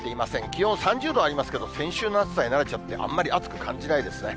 気温３０度ありますけど、先週の暑さに慣れちゃって、あんまり暑く感じないですね。